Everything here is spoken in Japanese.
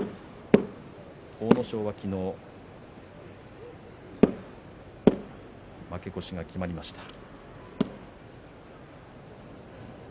阿武咲は昨日、負け越しが決まりました。